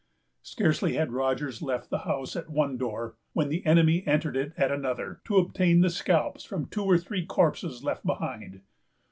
Scarcely had Rogers left the house at one door, when the enemy entered it at another, to obtain the scalps from two or three corpses left behind.